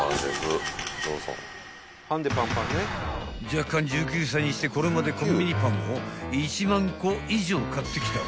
［弱冠１９歳にしてこれまでコンビニパンを１万個以上買ってきた］